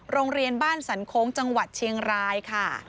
โรงเรียนบ้านสันโค้งจังหวัดเชียงรายค่ะ